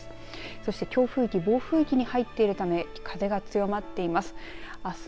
そして強風域、暴風域に入っているため風が強まっています。